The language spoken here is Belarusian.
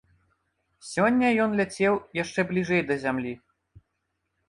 Сёння ён ляцеў яшчэ бліжэй да зямлі.